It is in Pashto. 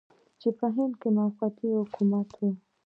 چې په هند کې موقتي حکومت و.